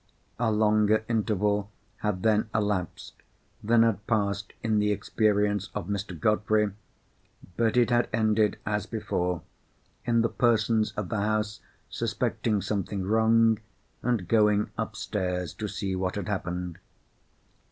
A longer interval had then elapsed than had passed in the experience of Mr. Godfrey; but it had ended as before, in the persons of the house suspecting something wrong, and going upstairs to see what had happened.